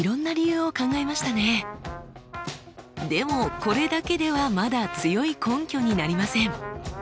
でもこれだけではまだ強い根拠になりません。